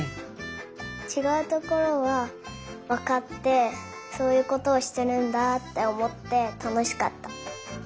ちがうところはわかってそういうことをしてるんだとおもってたのしかった。